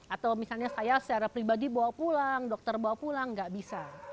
atau misalnya saya secara pribadi bawa pulang dokter bawa pulang nggak bisa